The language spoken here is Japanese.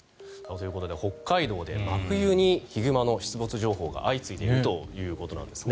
ということで北海道で真冬にヒグマの出没情報が相次いでいるということなんですね。